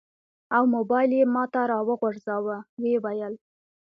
او موبایل یې ماته راوغورځاوه. و یې ویل: